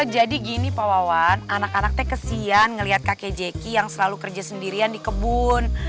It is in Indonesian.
jadi gini pak wawan anak anak teh kesian ngeliat kakek jaki yang selalu kerja sendirian di kebun